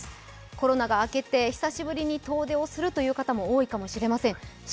コロナが明けて久しぶりに遠出をするという人も多いかもしれません。